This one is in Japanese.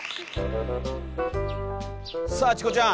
さあチコちゃん。